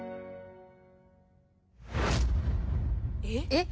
えっ？